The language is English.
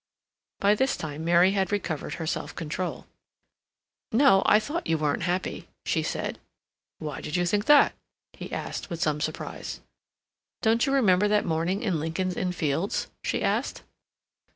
By this time Mary had recovered her self control. "No. I thought you weren't happy," she said. "Why did you think that?" he asked, with some surprise. "Don't you remember that morning in Lincoln's Inn Fields?" she asked.